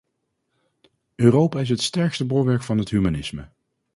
Europa is het sterkste bolwerk van het humanisme.